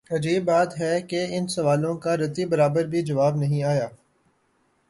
عجیب بات ہے کہ ان سوالوں کا رتی برابر بھی جواب نہیںآیا۔